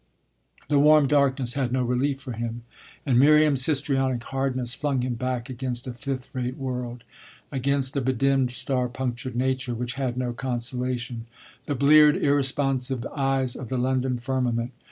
The warm darkness had no relief for him, and Miriam's histrionic hardness flung him back against a fifth rate world, against a bedimmed, star punctured nature which had no consolation the bleared, irresponsive eyes of the London firmament.